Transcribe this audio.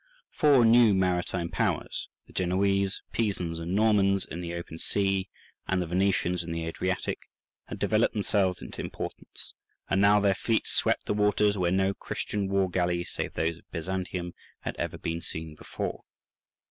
Four new maritime powers—the Genoese, Pisans, and Normans in the open sea, and the Venetians in the Adriatic—had developed themselves into importance, and now their fleets swept the waters where no Christian war galleys save those of Byzantium, had ever been seen before.